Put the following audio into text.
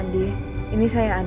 terima kasih pak